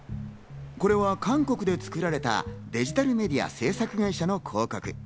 これは韓国で作られた、デジタルメディア制作会社の広告。